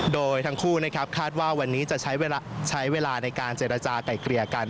โดยทั้งคู่นะครับคาดว่าวันนี้จะใช้เวลาในการเจรจาไก่เกลี่ยกัน